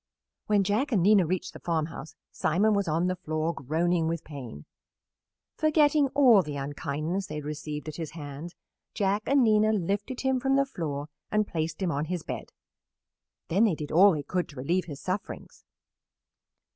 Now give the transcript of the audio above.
When Jack and Nina reached the farmhouse Simon was on the floor, groaning with pain. Forgetting all the unkindness they had received at his hands, Jack and Nina lifted him from the floor and placed him on his bed. Then they did all they could to relieve his sufferings.